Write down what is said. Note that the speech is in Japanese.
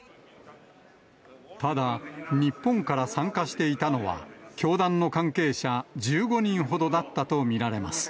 ただ、日本から参加していたのは、教団の関係者１５人ほどだったと見られます。